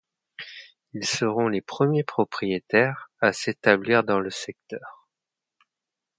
Ils seront les premiers propriétaires à s'établir dans le secteur.